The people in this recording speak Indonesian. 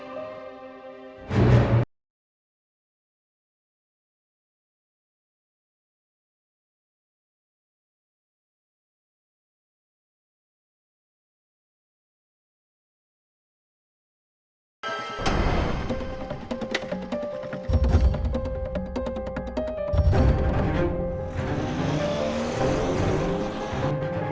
lo sudah nunggu